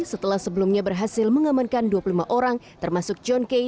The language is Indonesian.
setelah sebelumnya berhasil mengamankan dua puluh lima orang termasuk john kay